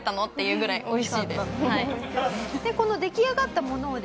この出来上がったものをですね